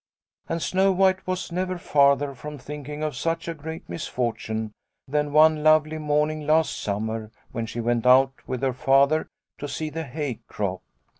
' And Snow White was never farther from thinking of such a great misfortune than one lovely morning last summer, when she went out with her Father to see the hay crop."